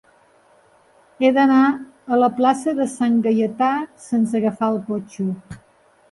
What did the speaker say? He d'anar a la plaça de Sant Gaietà sense agafar el cotxe.